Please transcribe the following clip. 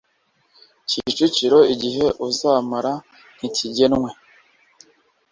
Kicukiro Igihe uzamara ntikigenwe